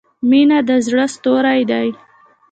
• مینه د زړۀ ستوری دی.